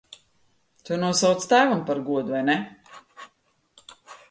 To nosauca tēvam par godu, vai ne?